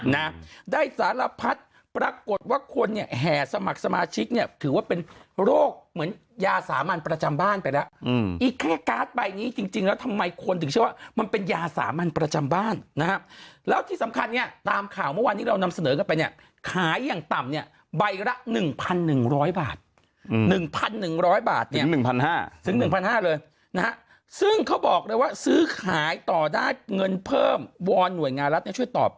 นะได้สารพัดปรากฏว่าคนนี้แห่สมัครสมาชิกเนี่ยคือว่าเป็นโรคเหมือนยาสามัญประจำบ้านไปแล้วอืมอีกแค่การ์ดใบนี้จริงจริงแล้วทำไมคนถึงเชื่อว่ามันเป็นยาสามัญประจำบ้านนะครับแล้วที่สำคัญเนี่ยตามข่าวเมื่อวานนี้เรานำเสนอกันไปเนี่ยขายอย่างต่ำเนี่ยใบละหนึ่งพันหนึ่งร้อยบาทอืมหนึ่งพันหนึ